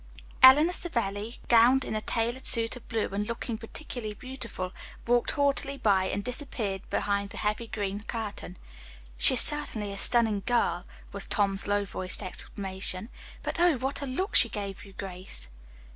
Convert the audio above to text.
Eleanor Savelli, gowned in a tailored suit of blue and looking particularly beautiful, walked haughtily by and disappeared behind the heavy green curtain. "She is certainly a stunning girl!" was Tom's low voiced exclamation, "but, oh, what a look she gave you, Grace!"